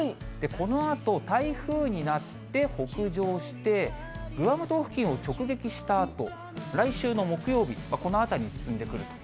このあと台風になって北上して、グアム島付近を直撃したあと、来週の木曜日、この辺りに進んでくると。